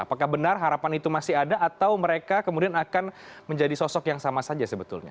apakah benar harapan itu masih ada atau mereka kemudian akan menjadi sosok yang sama saja sebetulnya